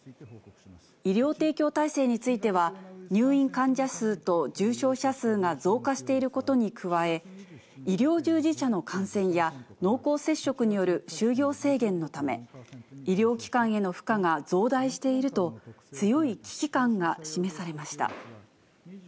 医療提供体制については、入院患者数と重症者数が増加していることに加え、医療従事者の感染や、濃厚接触による就業制限のため、医療機関への負荷が増大していると、強い危機感が示されました。